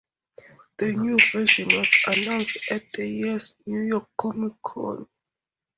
The new version was announced at the year's New York Comic Con.